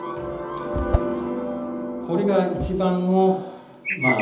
これが一番のまあ